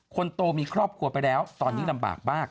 คนโตมีครอบครัวไปแล้วตอนนี้ลำบากมาก